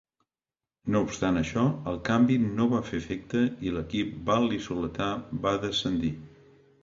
No obstant això, el canvi no va fer efecte i l'equip val·lisoletà va descendir.